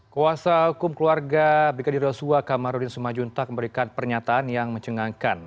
kuasa hukum keluarga brigadir yosua kamarudin sumajuntak memberikan pernyataan yang mencengangkan